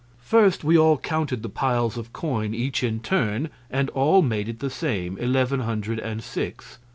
"First, we all counted the piles of coin, each in turn, and all made it the same eleven hundred and six.